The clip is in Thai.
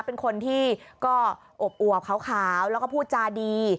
เป็นคนที่ก็อบขาวแล้วก็พูดจาดี